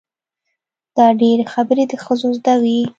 دا ډېرې خبرې د ښځو زده وي.